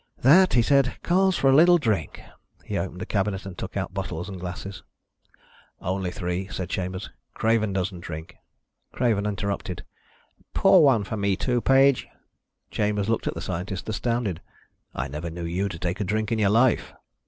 "That," he said, "calls for a little drink." He opened a cabinet and took out bottles and glasses. "Only three," said Chambers. "Craven doesn't drink." Craven interrupted. "Pour one for me, too, Page." Chambers looked at the scientist, astounded. "I never knew you to take a drink in your life."